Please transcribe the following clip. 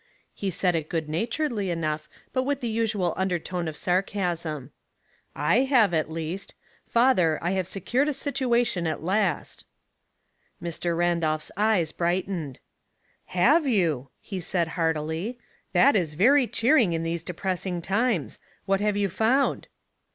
He said it good naturedly enough, but with the usual under tone of sarcasm. "/ have, at least. Father, 1 have secured a situation at last." Mr. Randolph's eyes brightened. ''^ Have you?" he said, heartily. "That is very cheering in these depressing times. What have you found